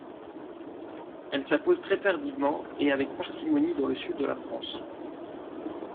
Elle s'impose très tardivement et avec parcimonie dans le sud de la France.